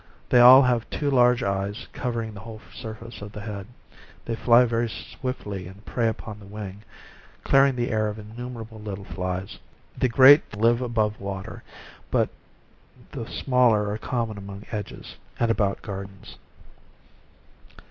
They all have two lar^e eyes, covering the whole surface of the head. They fly very swiftly, and prey upon the wing, clearing the air of innumerable little flies. The great c.ies live about water, but the smaller are common among edges, and about gardens.